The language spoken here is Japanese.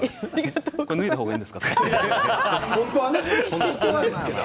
脱いだ方がいいですか。